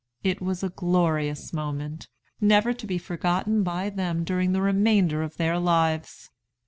It was a glorious moment, never to be forgotten by them during the remainder of their lives.